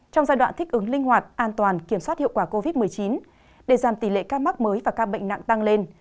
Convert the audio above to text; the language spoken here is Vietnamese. trong giai đoạn thích ứng linh hoạt an toàn kiểm soát hiệu quả covid một mươi chín để giảm tỷ lệ ca mắc mới và ca bệnh nặng tăng lên